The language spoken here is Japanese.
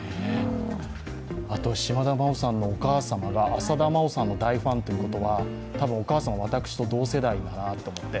あと島田麻央さんのお母様が浅田真央さんの大ファンというのは多分、お母さんは私と同世代なんだろうなと思って。